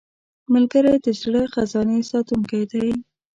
ملګری د زړه خزانې ساتونکی دی